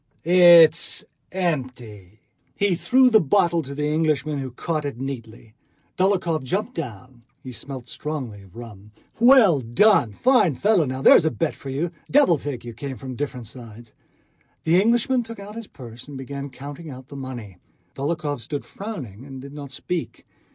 "It's empty." He threw the bottle to the Englishman, who caught it neatly. Dólokhov jumped down. He smelt strongly of rum. "Well done!... Fine fellow!... There's a bet for you!... Devil take you!" came from different sides. The Englishman took out his purse and began counting out the money. Dólokhov stood frowning and did not speak.